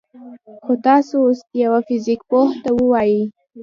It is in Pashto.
خو تاسو اوس يوه فزيك پوه ته ووايئ: